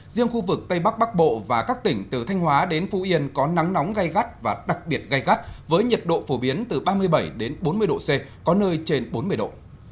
riêng khu vực tây bắc bắc bộ và các tỉnh từ thanh hóa đến phú yên có nắng nóng gai gắt và đặc biệt gai gắt với nhiệt độ phổ biến từ ba mươi bảy bốn mươi độ c có nơi trên bốn mươi độ